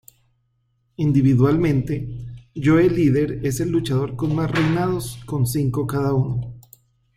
Individualmente, Joe Líder es el luchador con más reinados con cinco cada uno.